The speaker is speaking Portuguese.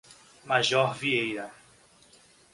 Major Vieira